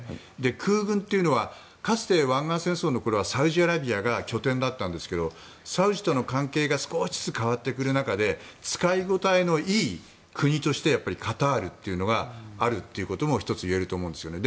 空軍というのはかつて湾岸戦争の頃はサウジアラビアが拠点だったんですがサウジとの関係が少しずつ変わってくる中で使いごたえのいい国としてカタールというのがあるということも１つ言えると思うんですよね。